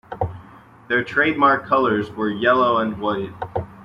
Their trademark colors were yellow and white.